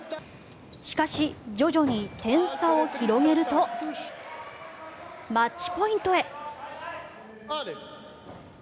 しかし、徐々に点差を広げるとマッチポイントへ。